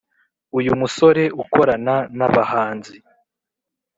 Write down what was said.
Uyu musore ukorana n’abahanzi